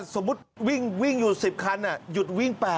สมมุติวิ่งอยู่๑๐คันหยุดวิ่ง๘